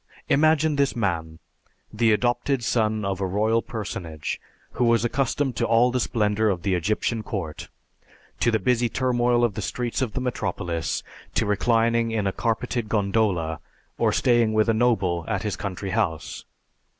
Imagine this man, the adopted son of a royal personage, who was accustomed to all the splendor of the Egyptian court, to the busy turmoil of the streets of the metropolis, to reclining in a carpeted gondola or staying with a noble at his country house.